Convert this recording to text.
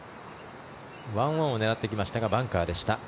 １オンを狙ってきましたがバンカーでした。